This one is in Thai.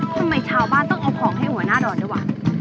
ทำไมชาวบ้านต้องเอาของให้หัวหน้าดอนด้วยว่ะ